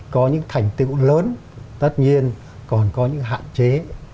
có những thành tựu lớn tất nhiên còn có những hạn chế